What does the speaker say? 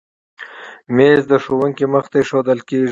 مېز د ښوونکي مخې ته ایښودل کېږي.